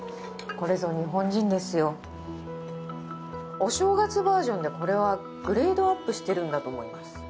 これぞ日本人ですよ。お正月バージョンでこれはグレードアップしてるんだと思います。